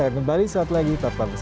akan kembali suatu lagi